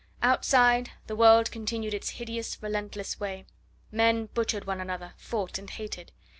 Outside the world continued its hideous, relentless way; men butchered one another, fought and hated.